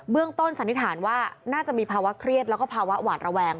ต้นสันนิษฐานว่าน่าจะมีภาวะเครียดแล้วก็ภาวะหวาดระแวง